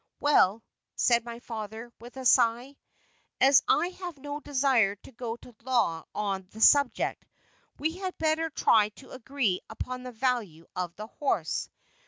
"Well," said my father, with a sigh, "as I have no desire to go to law on the subject, we had better try to agree upon the value of the horse.